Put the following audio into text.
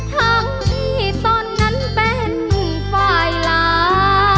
ทั้งที่ตอนนั้นเป็นฝ่ายลา